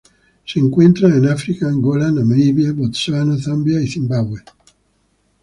Se encuentran en África: Angola, Namibia, Botsuana, Zambia y Zimbabue